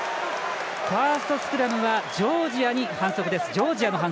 ファーストスクラムはジョージアに反則。